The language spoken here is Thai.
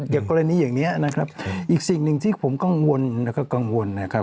อย่างกรณีอย่างนี้นะครับอีกสิ่งหนึ่งที่ผมกังวลแล้วก็กังวลนะครับ